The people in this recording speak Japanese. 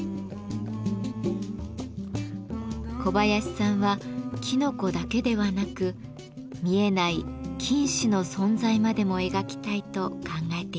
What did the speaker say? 小林さんはきのこだけではなく見えない菌糸の存在までも描きたいと考えています。